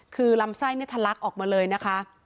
คือลำไส้ทะลักออกมาเลยนะคะ